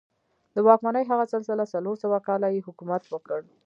د واکمنۍ هغه سلسله څلور سوه کاله یې حکومت وکړ.